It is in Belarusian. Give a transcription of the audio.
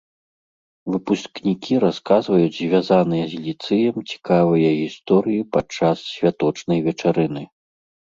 Выпускнікі расказваюць звязаныя з ліцэем цікавыя гісторыі падчас святочнай вечарыны.